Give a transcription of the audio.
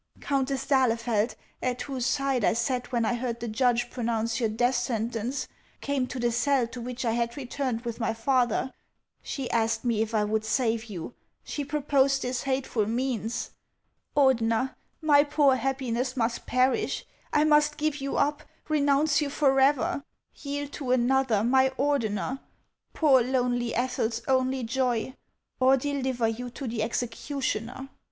Countess d'Ahlefeld, at whose side I sat when I heard the judge pronounce your death sentence, came to the cell to which I had returned with my lather. .She asked me if I would save you ; she proposed this hateful means. Ordener, my poor happiness must perish ; I must give you up, renounce you forever ; yield to another my Ordener, poor tlonely Ethel's only joy, or deliver you to the executioner.